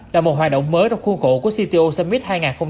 là một hoạt động mới trong khuôn khổ của cto summit hai nghìn hai mươi bốn